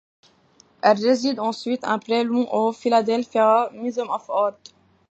Elle réside ensuite en prêt long au Philadelphia Museum of Art.